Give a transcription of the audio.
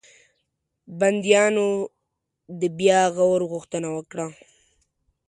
بنديانو د بیا غور غوښتنه وکړه.